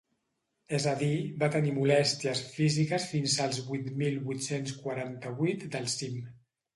És a dir, va tenir molèsties físiques fins als vuit mil vuit-cents quaranta-vuit del cim.